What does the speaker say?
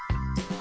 あ！